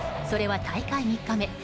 それは大会３日目。